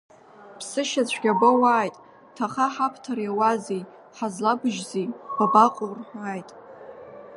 Ԥсышьацәгьа боуааит, ҭаха ҳабҭар иауазеи, ҳазлабыжьзеи, бабаҟоу рҳәааит.